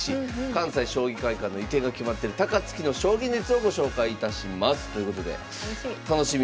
関西将棋会館の移転が決まってる高槻の将棋熱をご紹介いたします。ということで楽しみ。